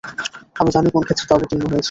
আমি জানি কোন ক্ষেত্রে তা অবতীর্ণ হয়েছে।